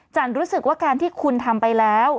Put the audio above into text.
รู้สึกว่าการที่คุณทำไปแล้ว